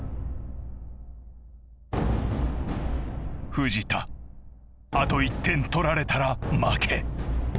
藤田あと１点取られたら負け。